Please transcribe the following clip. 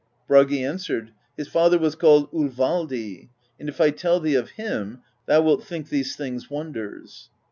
Bragi an swered: "His father was called Olvaldi, and if I tell thee of him, thou wilt think these things wonders.